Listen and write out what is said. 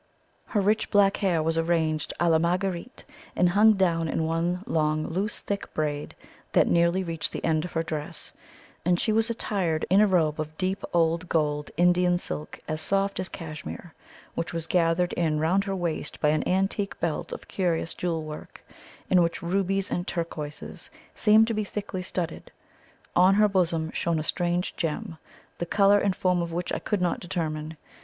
Her rich black hair was arranged a la Marguerite, and hung down in one long loose thick braid that nearly reached the end of her dress, and she was attired in a robe of deep old gold Indian silk as soft as cashmere, which was gathered in round her waist by an antique belt of curious jewel work, in which rubies and turquoises seemed to be thickly studded. On her bosom shone a strange gem, the colour and form of which I could not determine.